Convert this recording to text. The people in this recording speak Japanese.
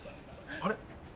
あれ？